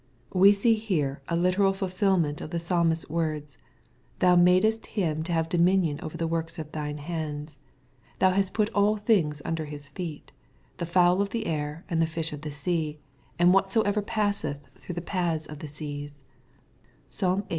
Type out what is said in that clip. We see here a literal fulfilment of the Psalmist's words, " Thou madest him to have dominion over the works of thine hands ; thou hast put all things under His feet ;— the fowl of the air and the fish of the sea, and whatsoever passeth through the paths of the seas/' (Psalm viii.